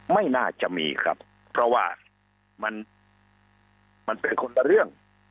ไม่น่าจะมีครับเพราะว่ามันเป็นคนละเรื่อง